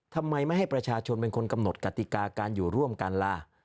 ทำไมไม่ให้ประชาชนเป็นคนกำหนดกติกาการอยู่ร่วมกันล่ะ